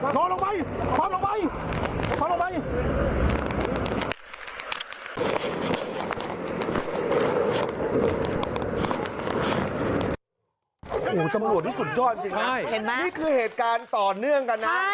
โอ้โหตำรวจนี่สุดยอดจริงนะนี่คือเหตุการณ์ต่อเนื่องกันนะ